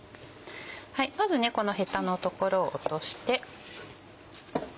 まずこのヘタの所を落として。